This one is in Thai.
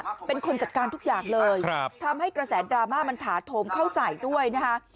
เป็นคนจัดการทุกอย่างเลยครับทำให้กระแสดราม่ามันถาโถมเข้าใส่ด้วยนะคะ